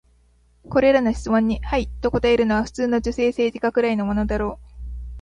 これらの質問に「はい」と答えるのは、普通の女性政治家くらいのものだろう。